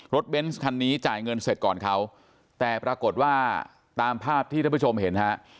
เบนส์คันนี้จ่ายเงินเสร็จก่อนเขาแต่ปรากฏว่าตามภาพที่ท่านผู้ชมเห็นฮะ